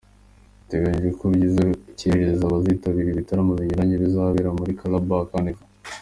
Biteganyijwe ko abagize Urukerereza bazitabira ibitaramo binyuranye bizabera muri Calabar Carnival.